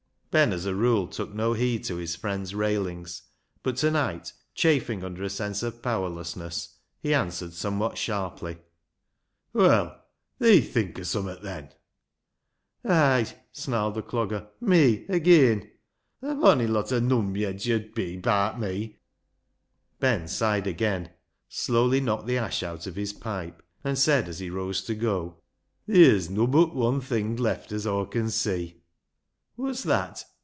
Ben as a rule took no heed to his friend's railings, but to night, chafing under a sense of powerlessness, he answered somewhat sharply —" Well, thee think o' summat then ?" LIGE'S LEGACY 191 " Ay," snarled the Cloggcr, " me ageean. A bonny lot o' numyeds yo'd be baat me." Ben sighed again, slowly knocked the ash out of his pipe, and said, as he rose to go — "Theer's nobbut wun thing left as Aw con see." "Wot's that?"